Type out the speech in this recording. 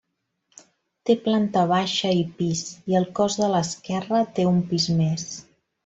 Té planta baixa i pis, i el cos de l'esquerra té un pis més.